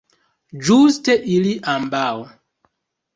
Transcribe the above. Ĝuste ili ambaŭ!